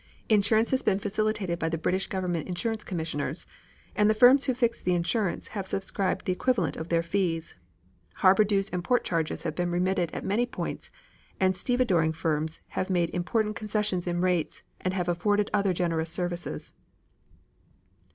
Insurance has been facilitated by the British Government Insurance Commissioners, and the firms who fixed the insurance have subscribed the equivalent of their fees. Harbor dues and port charges have been remitted at many points and stevedoring firms have made important concessions in rates and have afforded other generous services.